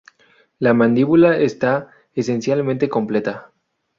La mandíbula está esencialmente completa.